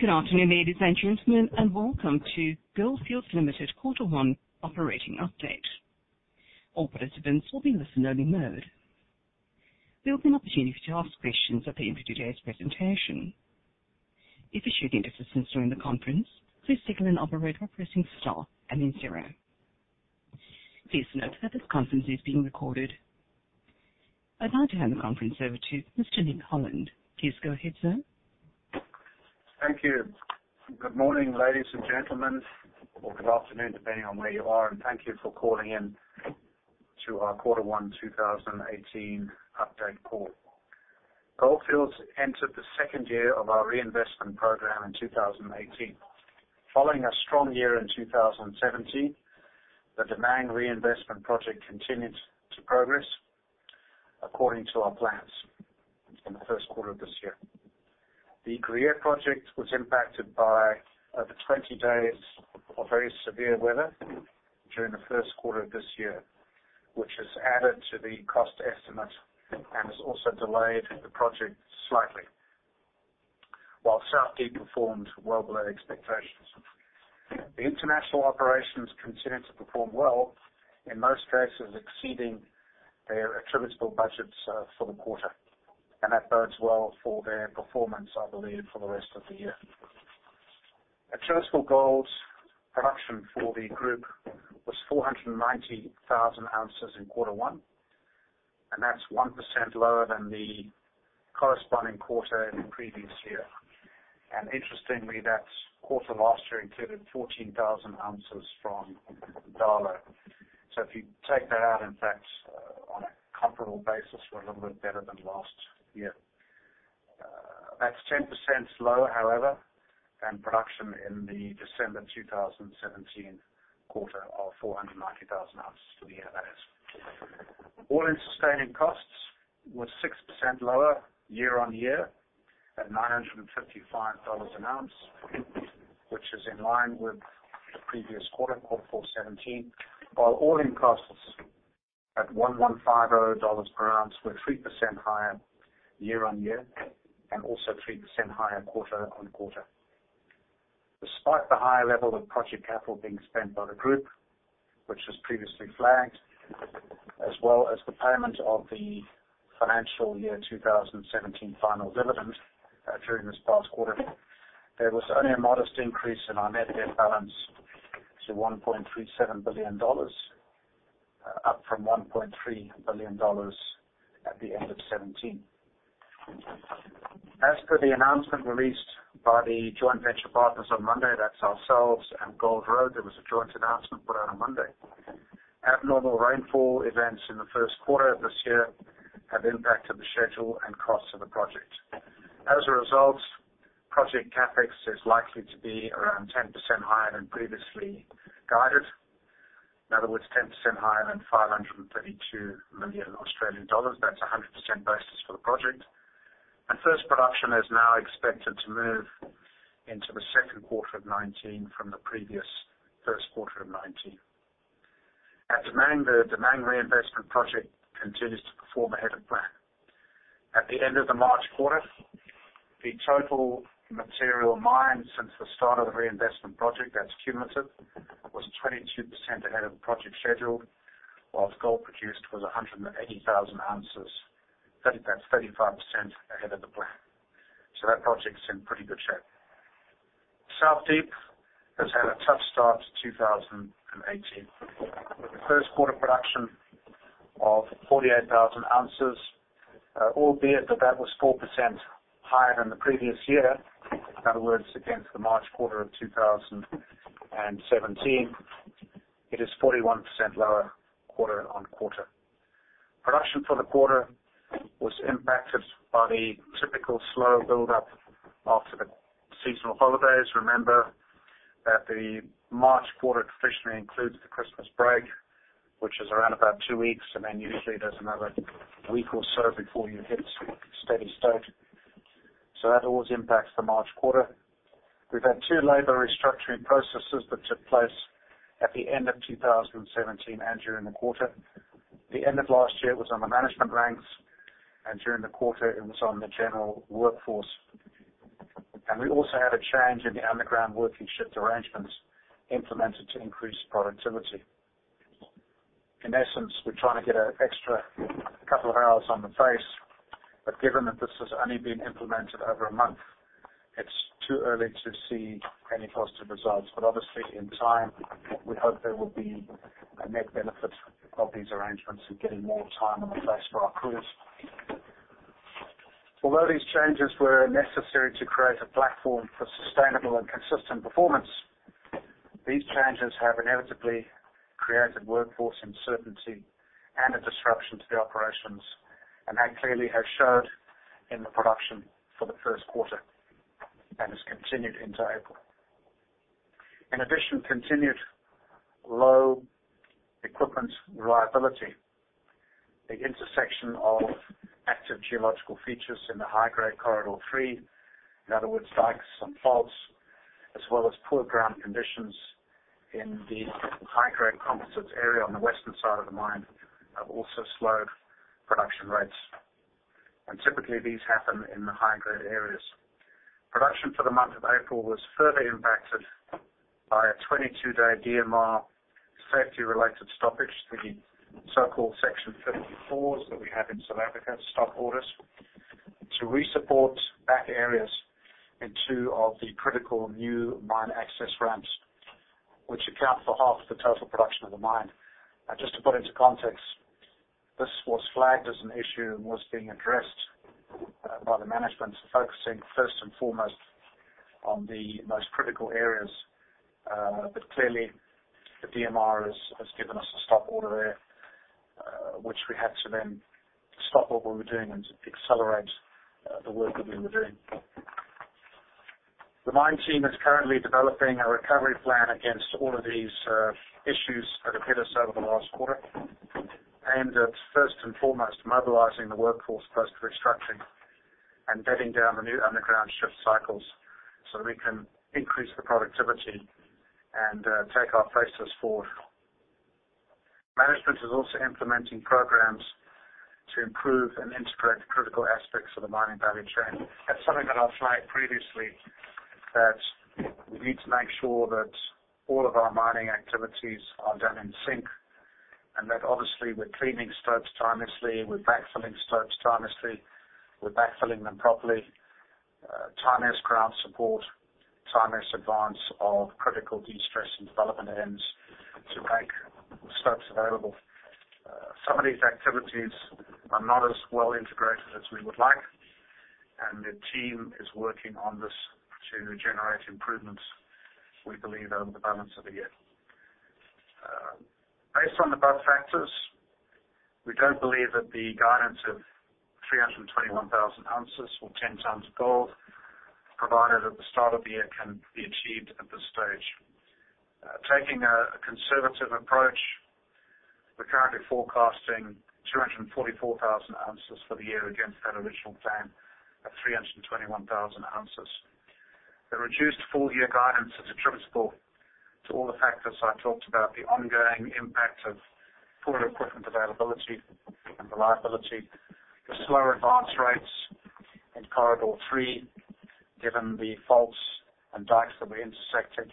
Good afternoon, ladies and gentlemen, and welcome to Gold Fields Limited Quarter 1 Operating Update. All participants will be in listen-only mode. There will be an opportunity to ask questions at the end of today's presentation. If you should need assistance during the conference, please signal an operator by pressing star and then zero. Please note that this conference is being recorded. I'd now like to hand the conference over to Mr. Nick Holland. Please go ahead, sir. Thank you. Good morning, ladies and gentlemen, or good afternoon, depending on where you are, and thank you for calling in to our Quarter 1 2018 update call. Gold Fields entered the second year of our reinvestment program in 2018. Following a strong year in 2017, the Damang Reinvestment Project continued to progress according to our plans in the first quarter of this year. The Gruyere Project was impacted by over 20 days of very severe weather during the first quarter of this year, which has added to the cost estimate and has also delayed the project slightly. While South Deep performed well below expectations, the international operations continued to perform well, in most cases exceeding their attributable budgets for the quarter, and that bodes well for their performance, I believe, for the rest of the year. Attributable gold production for the group was 490,000 ounces in Quarter 1, that's 1% lower than the corresponding quarter in the previous year. Interestingly, that quarter last year included 14,000 ounces from Darlot. If you take that out, in fact, on a comparable basis, we're a little bit better than last year. That's 10% lower, however, than production in the December 2017 quarter of 490,000 ounces for the year, that is. All-in sustaining costs were 6% lower year-over-year at $955 an ounce, which is in line with the previous quarter for 2017, while all-in costs at $1,150 per ounce were 3% higher year-over-year and also 3% higher quarter-over-quarter. Despite the high level of project capital being spent by the group, which was previously flagged, as well as the payment of the financial year 2017 final dividend during this past quarter, there was only a modest increase in our net debt balance to $1.37 billion, up from $1.3 billion at the end of 2017. As per the announcement released by the joint venture partners on Monday, that's ourselves and Gold Road, there was a joint announcement put out on Monday. Abnormal rainfall events in the first quarter of this year have impacted the schedule and cost of the project. As a result, project CapEx is likely to be around 10% higher than previously guided. In other words, 10% higher than 532 million Australian dollars. That's a 100% basis for the project. First production is now expected to move into the second quarter of 2019 from the previous first quarter of 2019. At Damang, the Damang Reinvestment Project continues to perform ahead of plan. At the end of the March quarter, the total material mined since the start of the reinvestment project, that's cumulative, was 22% ahead of the project schedule, whilst gold produced was 180,000 ounces. That's 35% ahead of the plan. That project's in pretty good shape. South Deep has had a tough start to 2018 with a first quarter production of 48,000 ounces, albeit that that was 4% higher than the previous year. In other words, against the March quarter of 2017, it is 41% lower quarter-on-quarter. Production for the quarter was impacted by the typical slow build-up after the seasonal holidays. Remember that the March quarter traditionally includes the Christmas break, which is around about two weeks, then usually there's another week or so before you hit steady state. That always impacts the March quarter. We've had two labor restructuring processes that took place at the end of 2017 and during the quarter. The end of last year was on the management ranks, and during the quarter it was on the general workforce. We also had a change in the underground working shift arrangements implemented to increase productivity. In essence, we're trying to get an extra couple of hours on the face, but given that this has only been implemented over a month, it's too early to see any positive results. Obviously, in time, we hope there will be a net benefit of these arrangements in getting more time in the face for our crews. Although these changes were necessary to create a platform for sustainable and consistent performance, these changes have inevitably created workforce uncertainty and a disruption to the operations, and that clearly has showed in the production for the first quarter and has continued into April. In addition, continued low equipment reliability, the intersection of active geological features in the high-grade corridor three, in other words, dykes and faults, as well as poor ground conditions in the high-grade composites area on the western side of the mine have also slowed production rates. Typically, these happen in the high-grade areas. Production for the month of April was further impacted by a 22-day DMR safety-related stoppage, the so-called Section 54s that we have in South Africa, stop orders, to re-support back areas in two of the critical new mine access ramps, which account for half of the total production of the mine. Just to put into context, this was flagged as an issue and was being addressed by the management focusing first and foremost on the most critical areas. Clearly, the DMR has given us a stop order there, which we had to then stop what we were doing and accelerate the work that we were doing. The mine team is currently developing a recovery plan against all of these issues that appeared over the last quarter. First and foremost, mobilizing the workforce first to restructuring and bedding down the new underground shift cycles so that we can increase the productivity and take our places forward. Management is also implementing programs to improve and integrate critical aspects of the mining value chain. That's something that I've flagged previously, that we need to make sure that all of our mining activities are done in sync. Obviously, we're cleaning stopes timeously, we're backfilling stopes timeously, we're backfilling them properly. Timeous ground support, timeous advance of critical destress and development ends to make stopes available. Some of these activities are not as well integrated as we would like. The team is working on this to generate improvements, we believe, over the balance of the year. Based on the above factors, we don't believe that the guidance of 321,000 ounces or 10 tons of gold provided at the start of the year can be achieved at this stage. Taking a conservative approach, we're currently forecasting 244,000 ounces for the year against that original plan of 321,000 ounces. The reduced full-year guidance is attributable to all the factors I talked about, the ongoing impact of poor equipment availability and reliability, the slower advance rates in corridor three, given the faults and dikes that we intersected.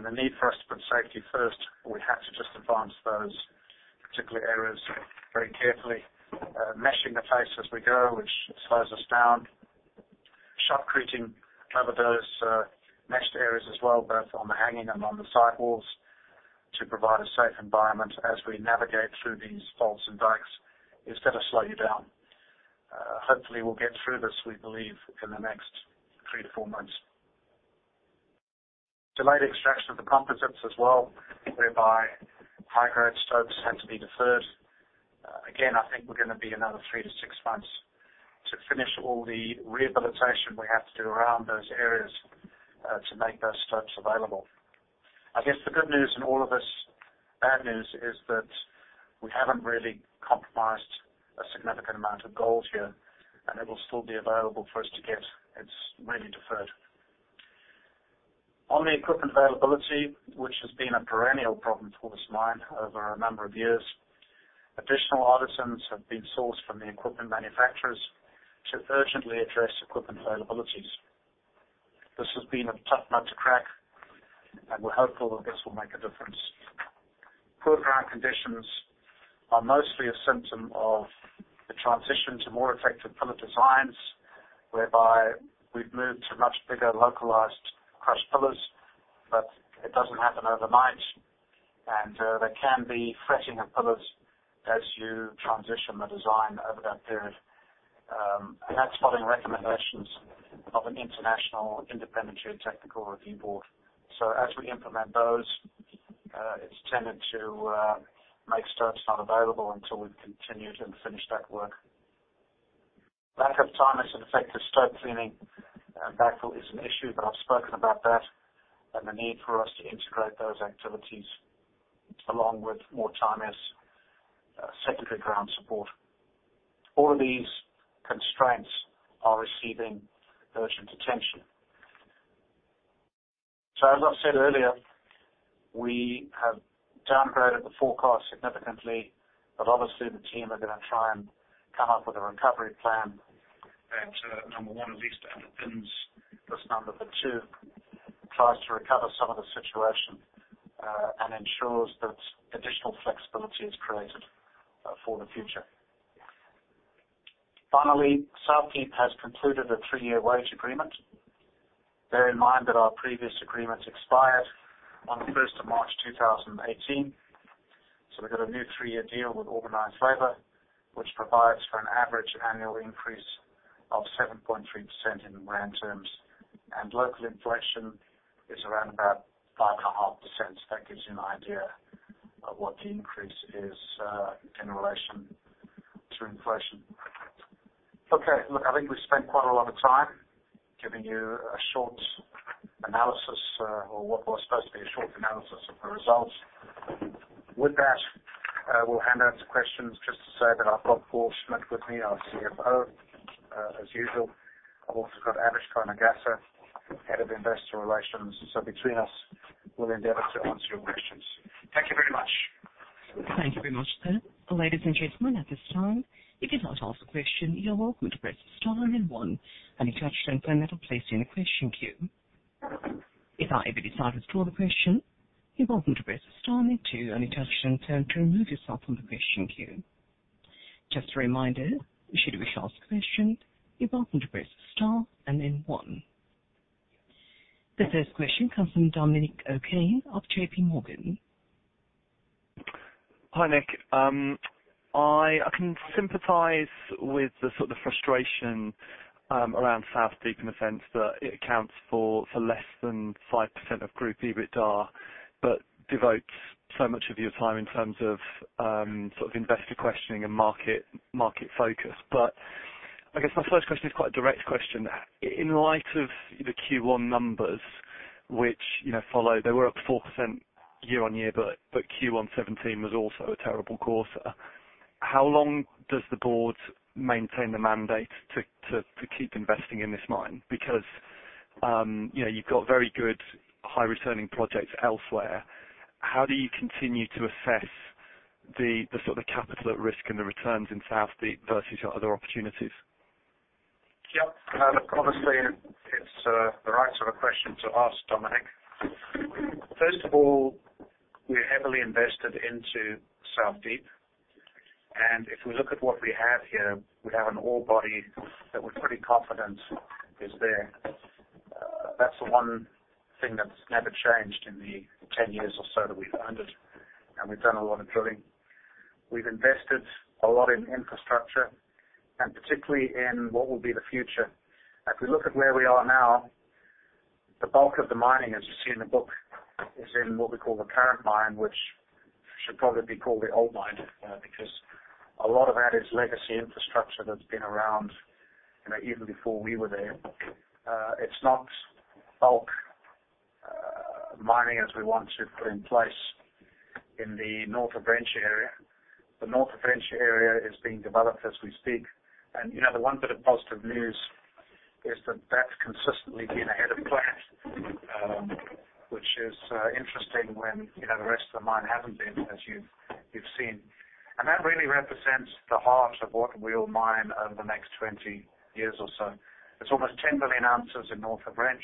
The need for us to put safety first. We had to just advance those particular areas very carefully. Meshing the face as we go, which slows us down. Shotcreting over those meshed areas as well, both on the hanging and on the sidewalls to provide a safe environment as we navigate through these faults and dikes is going to slow you down. Hopefully, we'll get through this, we believe, in the next three to four months. Delayed extraction of the composites as well, whereby high-grade stopes had to be deferred. Again, I think we're going to be another three to six months to finish all the rehabilitation we have to do around those areas to make those stopes available. I guess the good news in all of this bad news is that we haven't really compromised a significant amount of gold here. It will still be available for us to get. It's really deferred. On the equipment availability, which has been a perennial problem for this mine over a number of years, additional artisans have been sourced from the equipment manufacturers to urgently address equipment availabilities. This has been a tough nut to crack, and we're hopeful that this will make a difference. Poor ground conditions are mostly a symptom of the transition to more effective pillar designs, whereby we've moved to much bigger localized crush pillars, but it doesn't happen overnight. There can be fretting of pillars as you transition the design over that period. That's following recommendations of an international independent geotechnical review board. As we implement those, it's tended to make stopes unavailable until we've continued and finished that work. Lack of timeous and effective stope cleaning and backfill is an issue. I've spoken about that and the need for us to integrate those activities along with more timeous secondary ground support. All of these constraints are receiving urgent attention. As I've said earlier, we have downgraded the forecast significantly. Obviously, the team are going to try and come up with a recovery plan that, number one, at least underpins this number, but two, tries to recover some of the situation, and ensures that additional flexibility is created for the future. Finally, South Deep has concluded a three-year wage agreement. Bear in mind that our previous agreement expired on the 1st of March 2018. We've got a new three-year deal with organized labor, which provides for an average annual increase of 7.3% in rand terms. Local inflation is around about 5.5%. That gives you an idea of what the increase is in relation to inflation. Okay. I think we've spent quite a lot of time giving you a short analysis, or what was supposed to be a short analysis of the results. With that, we'll hand out to questions. Just to say that I've got Paul Schmidt with me, our CFO, as usual. I've also got Avishkar Nagaser, Head of Investor Relations. Between us, we'll endeavor to answer your questions. Thank you very much. Thank you very much, sir. Ladies and gentlemen, at this time, if you'd like to ask a question, you're welcome to press star then one and it should then place you in the question queue. If at any time you decide to withdraw the question, you're welcome to press star then two and it should then remove yourself from the question queue. Just a reminder, should you wish to ask a question, you're welcome to press star and then one. The first question comes from Dominic O'Kane of JP Morgan. Hi, Nick. I can sympathize with the frustration around South Deep in the sense that it accounts for less than 5% of group EBITDA, devotes so much of your time in terms of investor questioning and market focus. I guess my first question is quite a direct question. In light of the Q1 numbers, they were up 4% year-on-year, but Q1 2017 was also a terrible quarter. How long does the board maintain the mandate to keep investing in this mine? You've got very good high-returning projects elsewhere. How do you continue to assess the capital at risk and the returns in South Deep versus your other opportunities? Yep. Honestly, it's the right sort of question to ask, Dominic. First of all, we're heavily invested into South Deep, and if we look at what we have here, we have an ore body that we're pretty confident is there. That's the one thing that's never changed in the 10 years or so that we've owned it, we've done a lot of drilling. We've invested a lot in infrastructure, particularly in what will be the future. If we look at where we are now, the bulk of the mining, as you see in the book, is in what we call the current mine, which should probably be called the old mine, because a lot of that is legacy infrastructure that's been around even before we were there. It's not bulk mining as we want to put in place in the North of Wrench area. The North of Wrench area is being developed as we speak, the one bit of positive news is that that's consistently been ahead of plan, which is interesting when the rest of the mine hasn't been, as you've seen. That really represents the heart of what we'll mine over the next 20 years or so. There's almost 10 billion ounces in North of Wrench.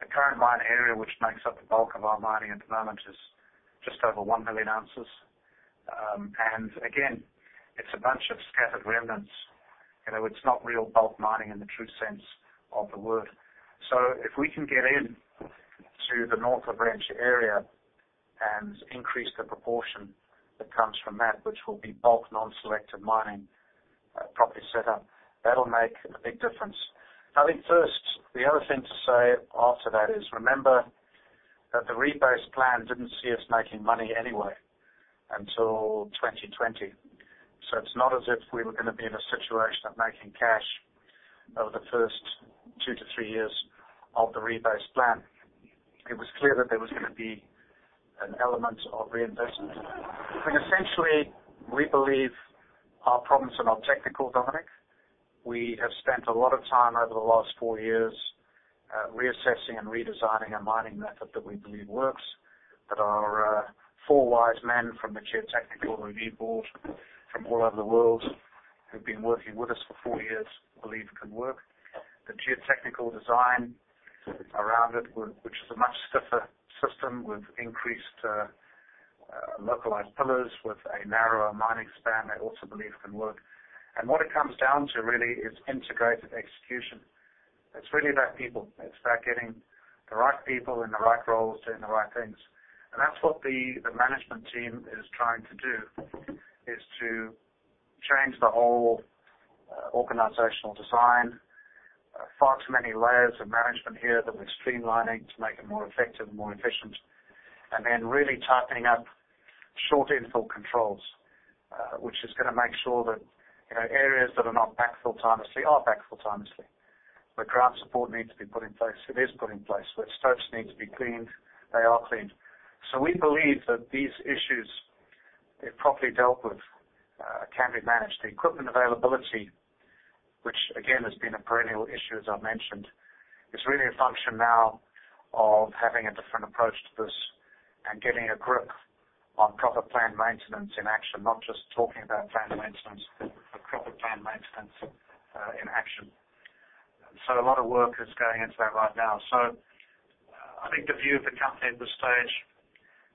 The current mine area, which makes up the bulk of our mining at the moment, is just over 1 billion ounces. Again, it's a bunch of scattered remnants. It's not real bulk mining in the true sense of the word. If we can get in to the North of Wrench area and increase the proportion that comes from that, which will be bulk non-selective mining properly set up, that'll make a big difference. I think first, the other thing to say after that is, remember that the rebased plan didn't see us making money anyway until 2020. It's not as if we were going to be in a situation of making cash over the first two to three years of the rebased plan. It was clear that there was going to be an element of reinvestment. Essentially, we believe our problems are not technical, Dominic. We have spent a lot of time over the last four years reassessing and redesigning a mining method that we believe works. That our four wise men from the geotechnical review board from all over the world who've been working with us for four years believe can work. The geotechnical design around it, which is a much stiffer system with increased localized pillars with a narrower mining span, they also believe can work. What it comes down to really is integrated execution. It's really about people. It's about getting the right people in the right roles doing the right things. That's what the management team is trying to do, is to change the whole organizational design. Far too many layers of management here that we're streamlining to make it more effective and more efficient. Then really tightening up short infill controls, which is going to make sure that areas that are not backfilled timely are backfilled timely. Where ground support needs to be put in place, it is put in place. Where stopes need to be cleaned, they are cleaned. We believe that these issues, if properly dealt with, can be managed. The equipment availability, which again has been a perennial issue as I mentioned, is really a function now of having a different approach to this and getting a grip on proper planned maintenance in action, not just talking about planned maintenance, but proper planned maintenance in action. A lot of work is going into that right now. I think the view of the company at this stage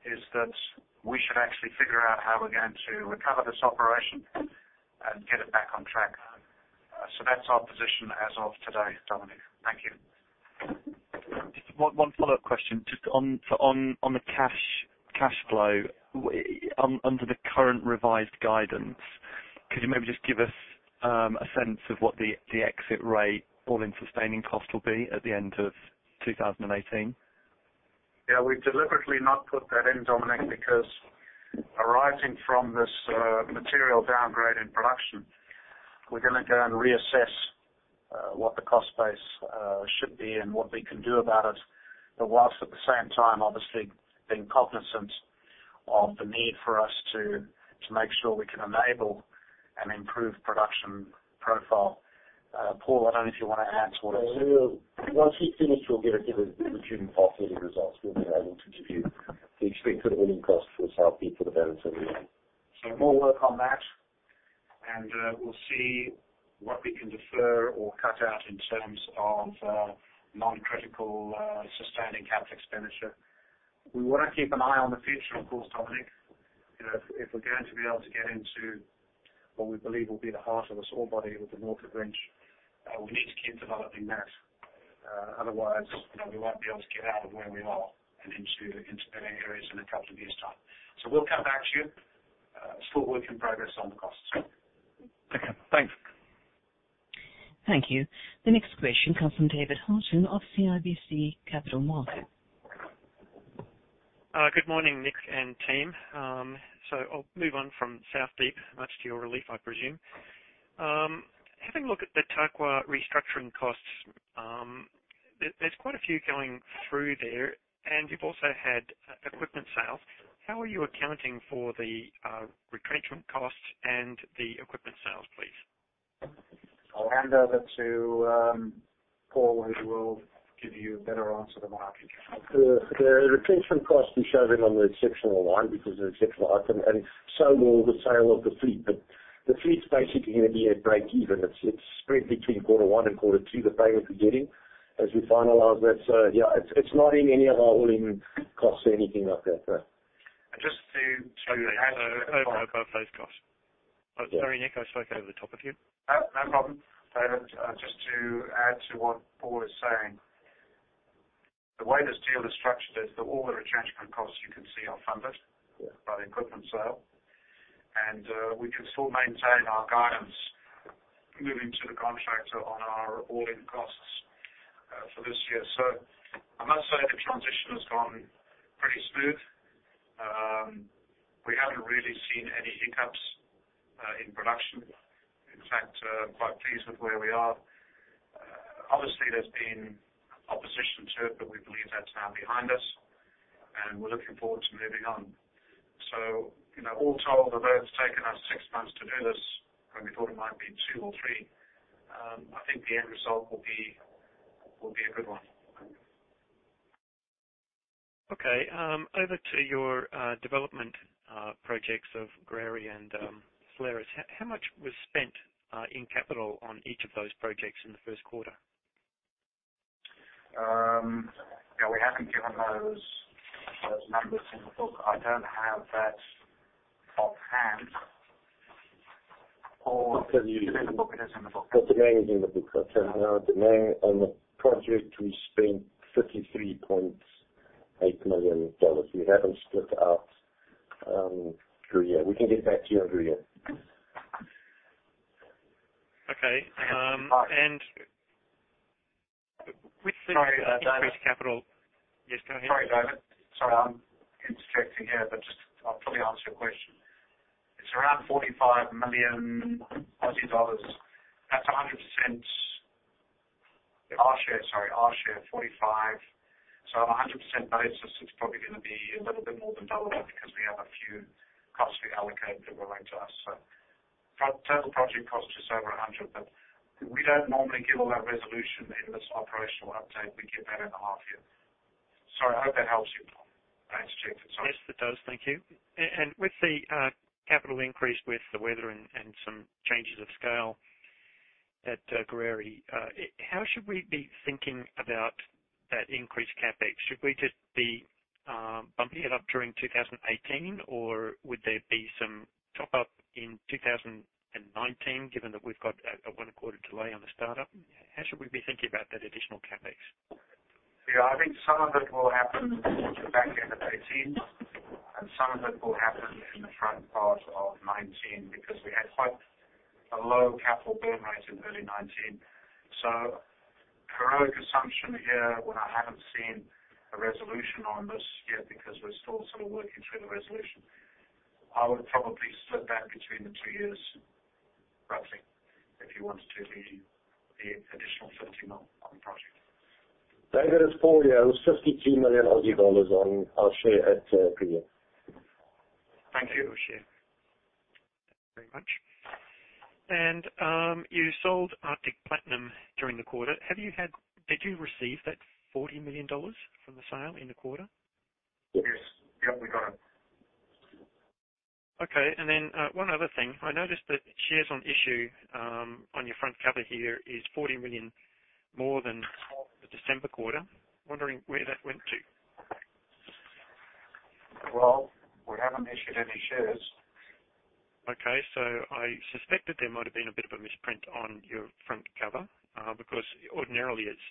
is that we should actually figure out how we're going to recover this operation and get it back on track. That's our position as of today, Dominic. Thank you. Just one follow-up question just on the cash flow. Under the current revised guidance, could you maybe just give us a sense of what the exit rate all-in sustaining cost will be at the end of 2018? Yeah, we've deliberately not put that in, Dominic, because arising from this material downgrade in production, we're going to go and reassess what the cost base should be and what we can do about it, whilst at the same time, obviously being cognizant of the need for us to make sure we can enable an improved production profile. Paul, I don't know if you want to add to what I said. Once we've finished, we'll give a review of the results. We'll be able to give you the expected all-in costs for South Deep for the balance of the year. More work on that, and we'll see what we can defer or cut out in terms of non-critical sustaining capital expenditure. We want to keep an eye on the future, of course, Dominic. If we're going to be able to get into what we believe will be the heart of this ore body with the North of Wrench, we need to keep developing that. Otherwise, we won't be able to get out of where we are and into the better areas in a couple of years' time. We'll come back to you. It's still a work in progress on the costs. Okay, thanks. Thank you. The next question comes from David Haughton of CIBC Capital Markets. Good morning, Nick and team. I'll move on from South Deep, much to your relief, I presume. Having a look at the Tarkwa restructuring costs, there's quite a few going through there, and you've also had equipment sales. How are you accounting for the retrenchment costs and the equipment sales, please? I'll hand over to Paul, who will give you a better answer than I can. The retrenchment costs we show them on the exceptional line because they're an exceptional item, and so will the sale of the fleet. The fleet's basically going to be at breakeven. It's spread between quarter one and quarter two, the payment we're getting as we finalize that. Yeah, it's not in any of our all-in costs or anything like that. Just to add to that. Okay. Over and above those costs. Sorry, Nick, I spoke over the top of you. No problem, David. Just to add to what Paul is saying, the way this deal is structured is the all the retrenchment costs you can see are funded by the equipment sale, and we can still maintain our guidance moving to the contractor on our all-in costs for this year. I must say, the transition has gone pretty smooth. We haven't really seen any hiccups in production. In fact, we are quite pleased with where we are. Obviously, there's been opposition to it, but we believe that's now behind us and we're looking forward to moving on. All told, although it's taken us 6 months to do this when we thought it might be two or three, I think the end result will be a good one. Okay, over to your development projects of Gruyere and Salares Norte. How much was spent in capital on each of those projects in the first quarter? We haven't given those numbers in the book. I don't have that offhand. Paul? I can tell you- It is in the book? That the name is in the book. I'll tell you now, the name on the project, we spent $33.8 million. We haven't split it out through yet. We can get back to you on through yet. Okay. With the- Sorry, David. increased capital. Yes, go ahead. Sorry, David. Sorry, I'm interjecting here. I'll probably answer your question. It's around 45 million Aussie dollars. That's our share, 45. On a 100% basis, it's probably going to be a little bit more than double that because we have a few costs to be allocated that were linked to us. Total project cost is over 100, but we don't normally give all that resolution in this operational update. We give that in the half year. Sorry, I hope that helps you, Dominic. Thanks. Yes, it does. Thank you. With the capital increase, with the weather and some changes of scale at Gruyere, how should we be thinking about that increased CapEx? Should we just be bumping it up during 2018 or would there be some top-up in 2019, given that we've got a one-quarter delay on the startup? How should we be thinking about that additional CapEx? I think some of it will happen towards the back end of 2018 and some of it will happen in the front part of 2019 because we had quite a low capital burn rate in early 2019. Heroic assumption here, when I haven't seen a resolution on this yet because we're still sort of working through the resolution, I would probably split that between the two years, roughly, if you wanted to the additional 30 months on the project. David, it's Paul here. It was AUD 53 million on our share at the year. Thank you. Thank you very much. You sold Arctic Platinum during the quarter. Did you receive that $40 million from the sale in the quarter? Yes. We only got it. Okay, one other thing. I noticed that shares on issue on your front cover here is 40 million more than the December quarter. Wondering where that went to. Well, we haven't issued any shares. Okay, I suspect that there might have been a bit of a misprint on your front cover because ordinarily it's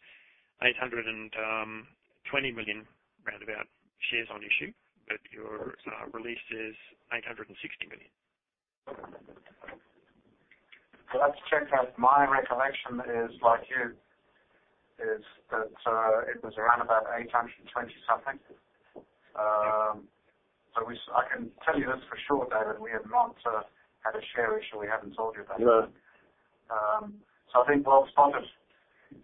820 million, roundabout, shares on issue, but your release is 860 million. Well, I'll have to check that. My recollection is like yours, is that it was around about 820 something. I can tell you this for sure, David, we have not had a share issue we haven't told you about. No. I think well spotted.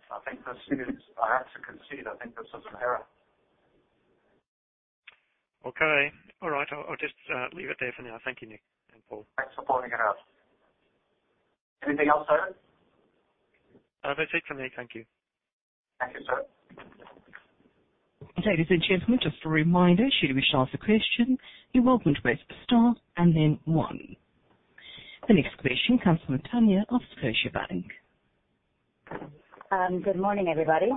I have to concede, I think this is an error. Okay. All right. I'll just leave it there for now. Thank you, Nick and Paul. Thanks for pointing it out. Anything else, David? That's it from me. Thank you. Thank you, sir. Ladies and gentlemen, just a reminder, should you wish to ask a question, you're welcome to press star and then one. The next question comes from Tanya of Scotiabank. Good morning, everybody.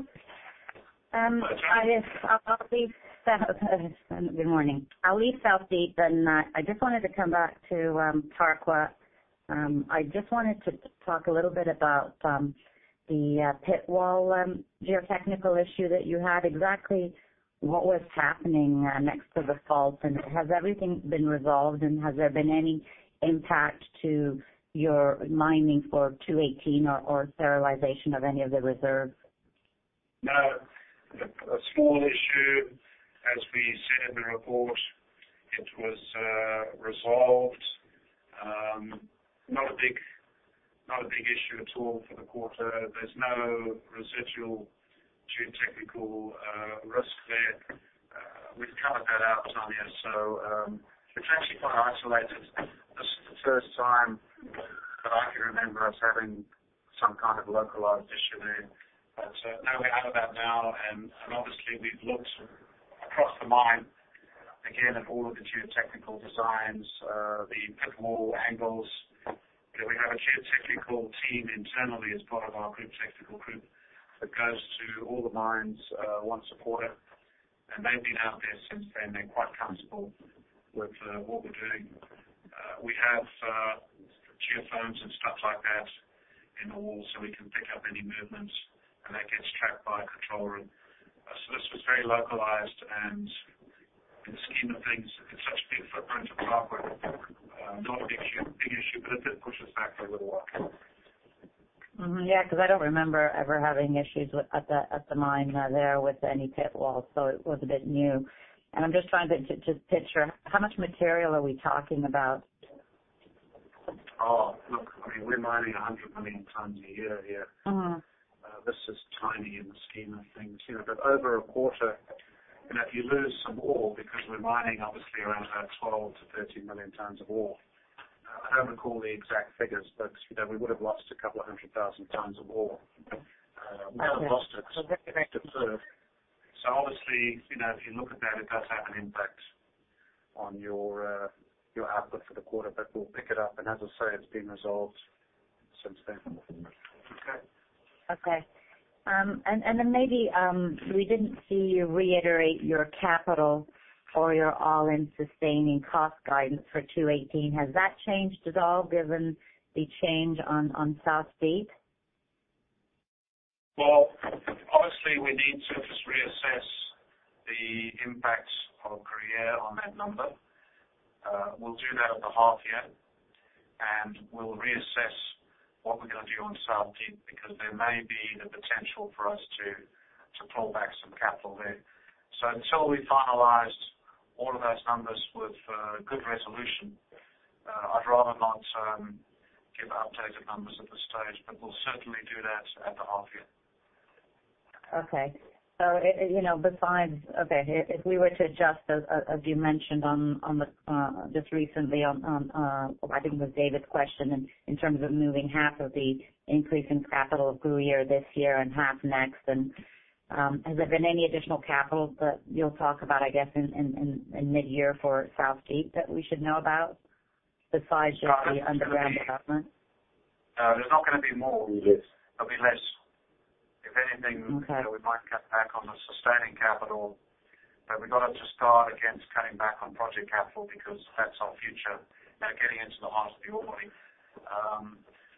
Good morning. Good morning. I will leave South Deep, but I just wanted to come back to Tarkwa. I just wanted to talk a little bit about the pit wall geotechnical issue that you had. Exactly what was happening next to the fault, and has everything been resolved and has there been any impact to your mining for 2018 or sterilization of any of the reserves? No. A small issue, as we said in the report, it was resolved. Not a big issue at all for the quarter. There is no residual geotechnical risk there. We have cut that out, Tanya, so it is actually quite isolated. This is the first time that I can remember us having some kind of localized issue there. No, we are out of that now, and obviously we have looked across the mine again at all of the geotechnical designs, the pit wall angles. We have a geotechnical team internally as part of our group technical group that goes to all the mines once a quarter, and they have been out there since then. They are quite comfortable with what we are doing. We have geophones and stuff like that in the wall, so we can pick up any movements, and that gets tracked by our control room. This was very localized and in the scheme of things, it's such a big footprint of Tarkwa, not a big issue, but it did push us back a little while. Yeah, because I don't remember ever having issues at the mine there with any pit walls, it was a bit new. I'm just trying to just picture how much material are we talking about? Oh, look, we're mining 100 million tons a year here. This is tiny in the scheme of things. Over a quarter, if you lose some ore, because we're mining obviously around about 12 million tons of ore-13 million tons of ore. I don't recall the exact figures, but we would have lost a couple of hundred thousand tons of ore. We haven't lost it. Okay. That could affect the reserve. Obviously, if you look at that, it does have an impact on your output for the quarter, but we'll pick it up, and as I say, it's been resolved since then. Okay. Then maybe, we didn't see you reiterate your capital or your all-in sustaining costs guidance for 2018. Has that changed at all given the change on South Deep? Well, obviously, we need to just reassess the impact of Gruyere on that number. We'll do that at the half year, and we'll reassess what we're going to do on South Deep, because there may be the potential for us to pull back some capital there. Until we've finalized all of those numbers with good resolution, I'd rather not give updated numbers at this stage, but we'll certainly do that at the half year. Okay. If we were to adjust, as you mentioned just recently on, I think it was David's question, in terms of moving half of the increase in capital of Gruyere this year and half next, has there been any additional capital that you'll talk about, I guess, in mid-year for South Deep that we should know about besides just the underground development? No, there's not going to be more. There'll be less. Okay We might cut back on the sustaining capital. We've got to start against cutting back on project capital because that's our future, getting into the heart of the ore body.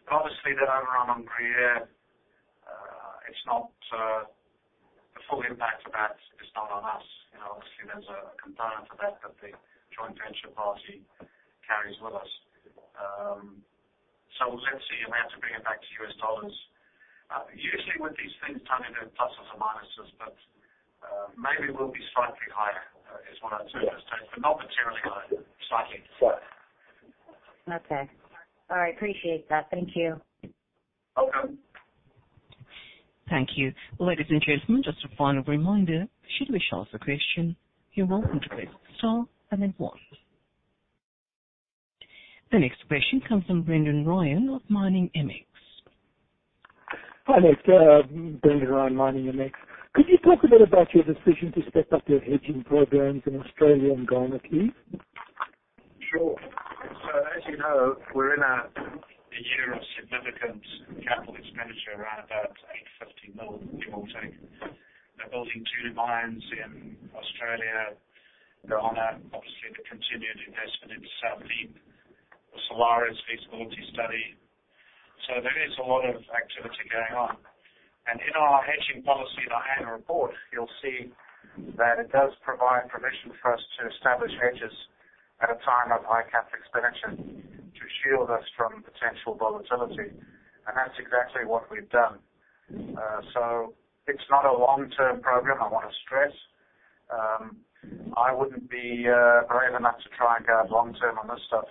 Obviously that overrun on Gruyere, the full impact of that is not on us. Obviously there's a component of that the joint venture party carries with us. We'll have to see. We have to bring it back to U.S. dollars. Usually with these things, Tanya, they're pluses or minuses, but maybe we'll be slightly higher, is what I'd say at this stage, but not materially higher, slightly. Okay. All right. Appreciate that. Thank you. Welcome. Thank you. Ladies and gentlemen, just a final reminder, should you wish to ask a question, you are welcome to press star and then one. The next question comes from Brendan Ryan of Miningmx. Hi, Nick. Brendan Ryan, Miningmx. Could you talk a bit about your decision to step up your hedging programs in Australia and Ghana, please? Sure. As you know, we are in a year of significant capital expenditure, around about $850 million give or take. We are building two new mines in Australia, Ghana, obviously the continued investment into South Deep, the Salares feasibility study. There is a lot of activity going on. In our hedging policy in our annual report, you will see that it does provide permission for us to establish hedges at a time of high capital expenditure to shield us from potential volatility, and that is exactly what we have done. It is not a long-term program, I want to stress. I would not be brave enough to try and go out long-term on this stuff.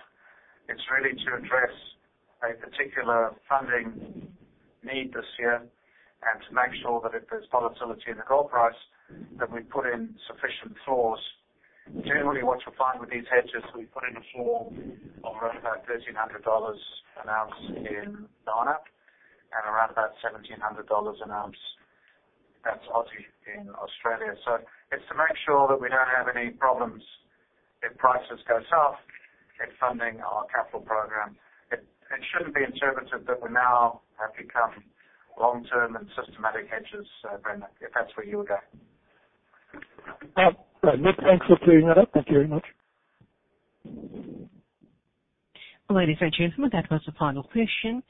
It is really to address a particular funding need this year and to make sure that if there is volatility in the gold price, that we have put in sufficient floors. Generally what you will find with these hedges, we put in a floor of around about $1,300 an ounce in Ghana and around about 1,700 dollars an ounce, that is Aussie, in Australia. It is to make sure that we do not have any problems if prices go south in funding our capital program. It should not be interpreted that we now have become long-term and systematic hedgers, Brendan, if that is where you were going. Great, Nick. Thanks for clearing that up. Thank you very much. Ladies and gentlemen, that was the final question.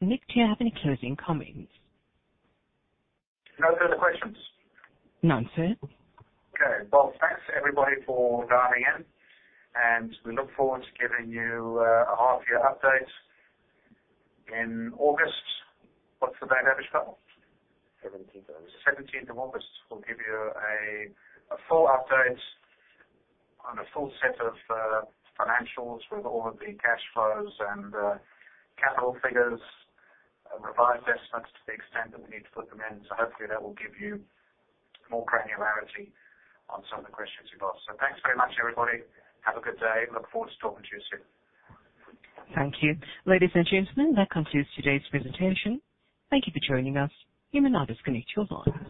Nick, do you have any closing comments? No further questions? None, sir. Okay. Well, thanks everybody for dialing in, and we look forward to giving you a half-year update in August. What's the date, Avishkar? 17th of August. 17th of August. We'll give you a full update on a full set of financials with all of the cash flows and capital figures, revised estimates to the extent that we need to put them in. Hopefully that will give you more granularity on some of the questions you've asked. Thanks very much, everybody. Have a good day. Look forward to talking to you soon. Thank you. Ladies and gentlemen, that concludes today's presentation. Thank you for joining us. You may now disconnect your line.